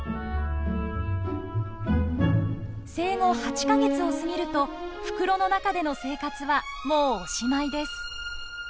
生後８か月を過ぎると袋の中での生活はもうおしまいです。